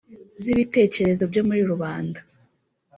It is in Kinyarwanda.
z’ibitekerezo byo muri rubanda: